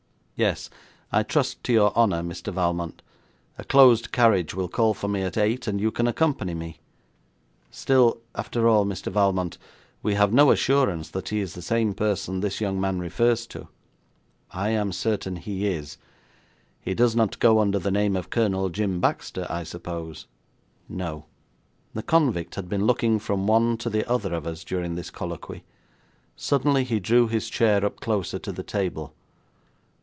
'Yes. I trust to your honour, Mr. Valmont. A closed carriage will call for me at eight, and you can accompany me. Still, after all, Mr Valmont, we have no assurance that he is the same person this young man refers to.' 'I am certain he is. He does not go under the name of Colonel Jim Baxter, I suppose?' 'No.' The convict had been looking from one to the other of us during this colloquy. Suddenly he drew his chair up closer to the table.